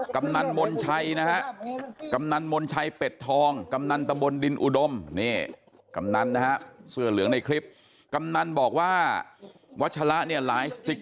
กำนันมนชัยนะฮะ